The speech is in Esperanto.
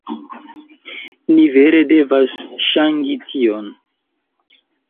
Ni vere devas ŝangi tion